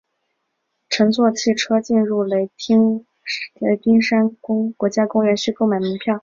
乘坐汽车进入雷丁山国家公园需购买门票。